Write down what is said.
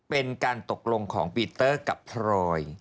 เป็นการตกลงของปีเตอร์กับพรอย